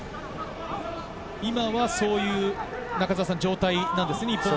今はそういう状態なんですね。